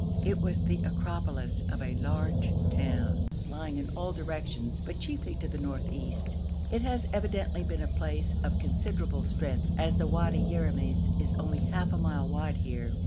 It was the acropolis of a large town, lying in all directions, but chiefly to the north east. It has evidently been a place of considerable strength, as the Wadi Yeramis is only half a mile wide here.